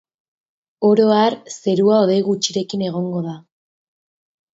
Ora har, zerua hodei gutxirekin egongo da.